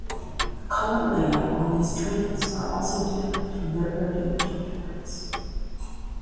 The colour layout on these trains are also different from their earlier counterparts.